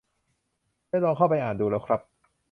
ได้ลองเข้าไปอ่านดูแล้วครับ